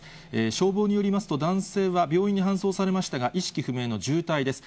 消防によりますと、男性は病院に搬送されましたが、意識不明の重体です。